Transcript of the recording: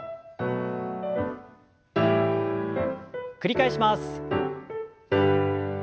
繰り返します。